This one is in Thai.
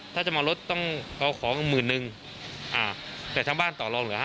ถ้าจะมารถต้องเอาของหมื่นนึงอ่าแต่ทางบ้านต่อลองเหลือ๕๐